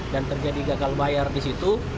dan terjadi gagal bayar di situ